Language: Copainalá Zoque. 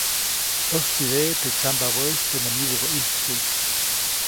ʼÄjtsideʼe teʼ tsyambabäʼis teʼ nä myidubä ʼijtkuʼy.